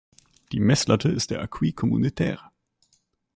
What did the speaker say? Die Meßlatte ist der acquis communautaire .